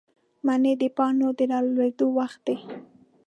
منی د پاڼو د رالوېدو وخت دی.